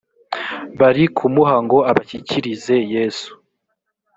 bari kumuha ngo abashyikirize yesu